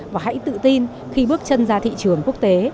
và hãy tự tin khi bước chân ra thị trường quốc tế